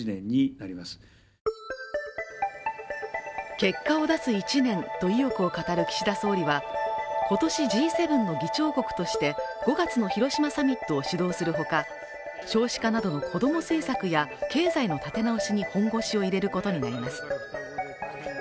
結果を出す１年と意欲を語る岸田総理は、今年Ｇ７の議長国として５月の広島サミットを主導するほか少子化などのこども政策や経済の立て直しに本腰を入れることになります。